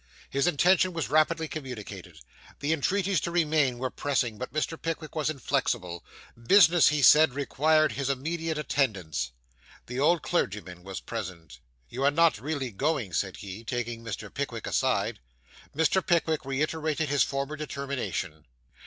His intention was rapidly communicated. The entreaties to remain were pressing, but Mr. Pickwick was inflexible. Business, he said, required his immediate attendance. The old clergyman was present. 'You are not really going?' said he, taking Mr. Pickwick aside. Mr. Pickwick reiterated his former determination.